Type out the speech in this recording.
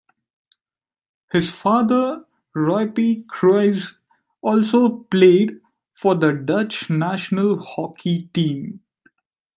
His father Roepie Kruize also played for the Dutch national hockey team.